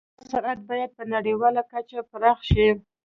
دغه صنعت باید په نړیواله کچه پراخ شي